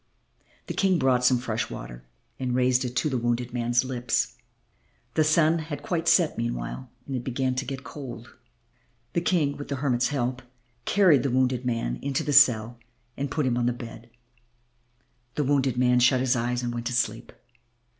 The King brought some fresh water and raised it to the wounded man's lips. The sun had quite set meanwhile and it began to get cold. The King, with the hermit's help, carried the wounded man into the cell and put him on the bed. The wounded man shut his eyes and went to sleep.